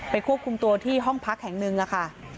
ควบคุมตัวที่ห้องพักแห่งหนึ่งค่ะ